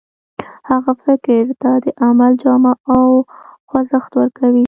هغه فکر ته د عمل جامه او خوځښت ورکوي.